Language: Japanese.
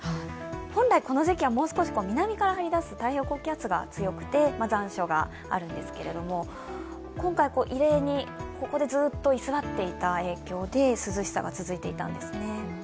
本来この時期は南から張り出す太平洋高気圧が強くて残暑があるんですけれども、今回、異例にここでずっと居座っていた影響で涼しさが続いていたんですね。